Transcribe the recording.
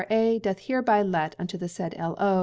A. doth hereby let unto the said L.O.